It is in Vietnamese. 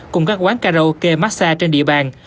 cùng các quán karaoke massage trên địa bàn